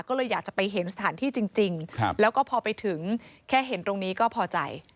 ก็เลยอยากจะไปเห็นสถานที่จริงแล้วก็พอไปถึงแค่เห็นตรงนี้ก็พอใจ